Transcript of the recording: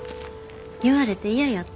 言われて嫌やった？